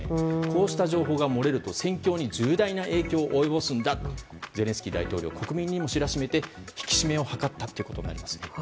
こうした情報が漏れると戦況に重大な影響を及ぼすんだとゼレンスキー大統領は国民にも知らしめて引き締めを図ったということになります。